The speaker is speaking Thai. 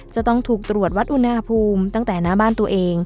จะต้องถูกตรวจวัดอุณหภูมิตั้งแต่หน้าบ้านตัวเอง